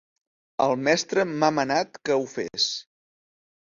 El mestre m'ha manat que ho fes.